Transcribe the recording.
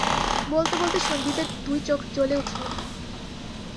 বলতে বলতে সন্দীপের দুই চোখ জ্বলে উঠল।